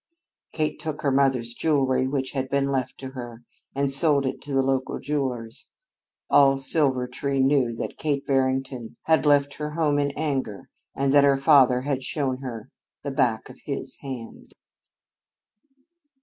Kate took her mother's jewelry, which had been left to her, and sold it at the local jeweler's. All Silvertree knew that Kate Barrington had left her home in anger and that her father had shown her the back of his hand.